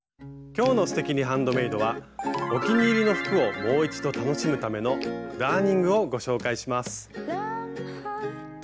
今日の「すてきにハンドメイド」はお気に入りの服をもう一度楽しむための「ダーニング」をご紹介します。